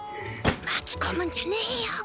巻き込むんじゃねえよ！